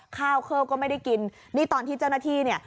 ข้าวเคิบก็ไม่ได้กินนี่ตอนที่เจ้าหน้าที่เนี่ย